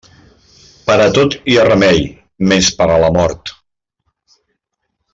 Per a tot hi ha remei, menys per a la mort.